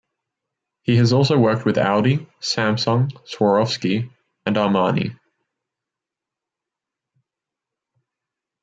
He has also worked with Audi, Samsung, Swarowski and Armani.